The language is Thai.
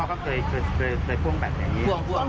พ่อคงเอาก้อนอิดไปถ่วงไว้ตรงคันเร่งจั๊มแบบนี้